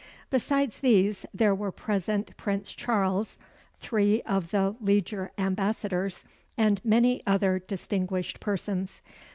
Besides these, there were present Prince Charles, three of the lieger ambassadors, and many other distinguished persons.